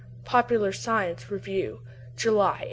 (Popular Science Review, July, 1878.)